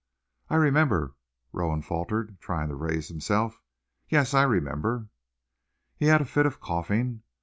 "I remember," Rowan faltered, trying to raise himself. "Yes, I remember!" He had a fit of coughing.